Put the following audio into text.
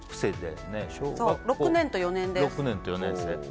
６年と４年です。